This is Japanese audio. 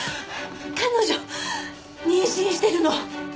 彼女妊娠してるの！